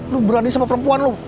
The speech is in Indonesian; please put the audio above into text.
lu berani sama perempuan lo